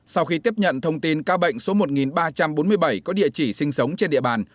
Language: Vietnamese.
sau khi tiếp nhận thông tin ca bệnh số một ba trăm bốn mươi bảy có địa chỉ sinh sống trên địa bàn